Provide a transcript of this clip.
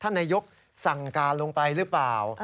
ท่านนายกสั่งการลงไปรึเปล่า